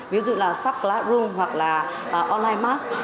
ví dụ là subclassroom hoặc là onlinemath